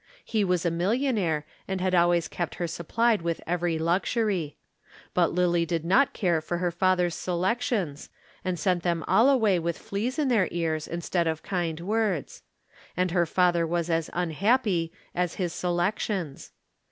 He was a millionaire and had always kept her supplied with every luxury. But Lillie did not care for her father's selections, and sent them all away with fleas in their ears instead of kind words. And her father was as unhappy as his selections.